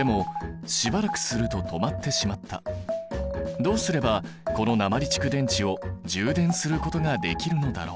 どうすればこの鉛蓄電池を充電することができるのだろう？